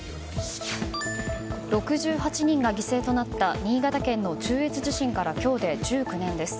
６８人が犠牲となった新潟県の中越地震から今日で１９年です。